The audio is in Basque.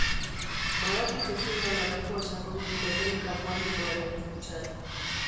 Badakit ez dudala nahikoa sakondu mekanika kuantikoaren funtsean.